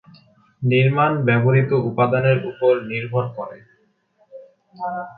নির্মাণ ব্যবহৃত উপাদানের উপর নির্ভর করে।